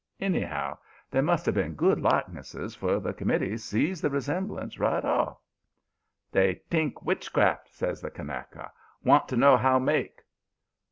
Anyhow they must have been good likenesses, for the committee see the resemblance right off. "'They t'ink witchcraft,' says the Kanaka. 'Want to know how make.'